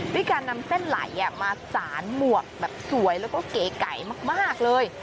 ด้วยการนำเส้นไหลมาสารหมวกแบบสวยแล้วก็เก๋ไก่มากเลย